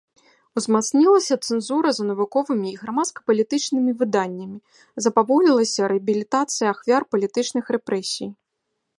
Узмацнілася цэнзура за навуковымі і грамадска-палітычнымі выданнямі, запаволілася рэабілітацыя ахвяр палітычных рэпрэсій.